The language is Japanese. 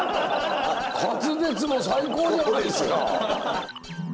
滑舌も最高じゃないですか。